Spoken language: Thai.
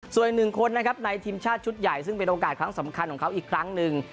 ส่วนอีกหนึ่งคนนะครับในทีมชาติชุดใหญ่ซึ่งเป็นโอกาสครั้งสำคัญของเขาอีกครั้งหนึ่ง